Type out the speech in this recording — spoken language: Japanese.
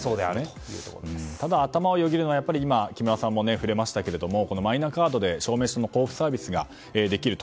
ただ頭をよぎるのは木村さんも触れましたけどマイナカードで証明書の交付サービスができると。